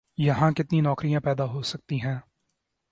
یہاں کتنی نوکریاں پیدا ہو سکتی ہیں؟